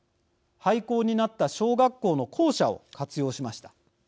廃校になった小学校の校舎を活用しました。